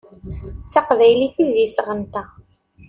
D taqbaylit i d iseɣ-nsent.